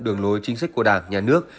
đường lối chính sách của đảng nhà nước